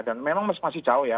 dan memang masih jauh ya